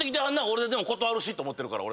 俺でも断るしって思ってるから。